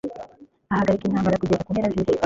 Ahagarika intambara kugeza ku mpera z’isi